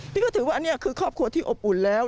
ก็ถือว่าอันนี้คือครอบครัวที่อบอุ่นแล้ว